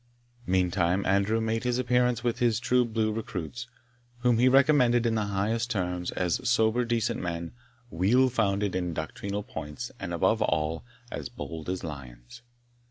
Meantime Andrew made his appearance with his true blue recruits, whom he recommended in the highest terms, as "sober decent men, weel founded in doctrinal points, and, above all, as bold as lions."